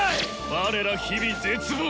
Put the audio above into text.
我ら日々絶望！